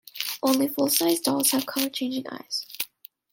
Only full-sized dolls have color-changing eyes.